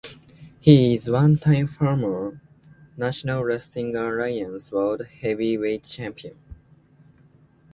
He is a one time former National Wrestling Alliance World Heavyweight Champion.